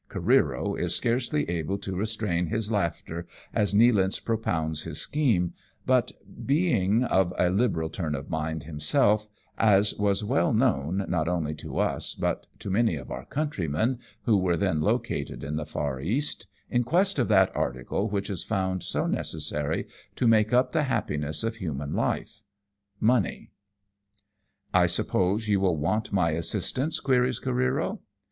Careero is scarcely able to restrain his laughter as Nealance propounds his scheme, but being of a liberal turn of mind himself, as was well known not only to us but to many of our countrymen, who were then located in the far East, in quest of that article which is found so necessary to make up the happiness of human life — money. 200 AMONG TYPHOONS AND PIRATE CRAFT. " I suppose you will want my assistance ?" queries Careero.